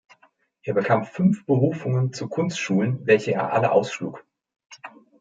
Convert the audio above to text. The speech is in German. Er bekam fünf Berufungen zu Kunstschulen, welche er alle ausschlug.